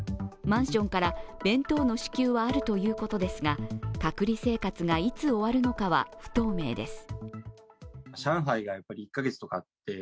マンションから弁当の支給はあるということですが、隔離生活がいつ終わるのかは不透明です。